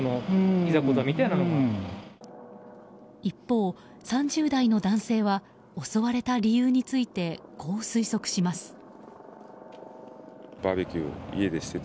一方、３０代の男性は襲われた理由についてこう推測します。